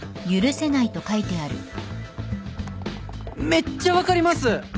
「めっちゃわかりますっ！！」